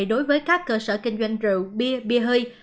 đối với các cơ sở kinh doanh rượu bia bia hơi